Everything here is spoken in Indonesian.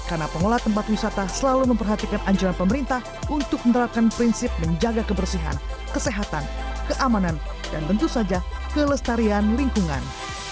karena pengolah tempat wisata selalu memperhatikan anjuran pemerintah untuk menerapkan prinsip menjaga kebersihan kesehatan keamanan dan tentu saja kelestarian lingkungan